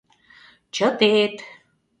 — Чытет!